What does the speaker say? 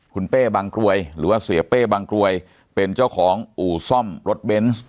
คุณเป้บางกรวยหรือว่าเสียเป้บางกรวยเป็นเจ้าของอู่ซ่อมรถเบนส์